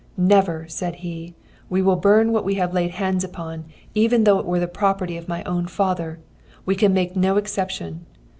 "Never!" said he. "We will burn what we have laid hands upon, even though it were the property of my own father. We can make no exception.